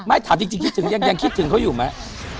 ถามจริงคิดถึงยังคิดถึงเขาอยู่ไหม